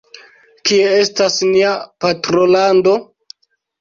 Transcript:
Kie estas nia patrolando?